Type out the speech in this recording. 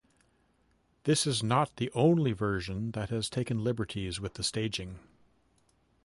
This is not the only version that has taken liberties with the staging.